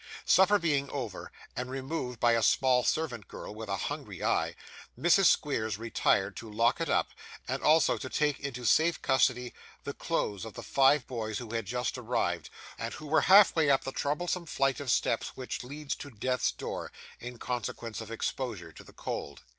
Supper being over, and removed by a small servant girl with a hungry eye, Mrs. Squeers retired to lock it up, and also to take into safe custody the clothes of the five boys who had just arrived, and who were half way up the troublesome flight of steps which leads to death's door, in consequence of exposure to the cold.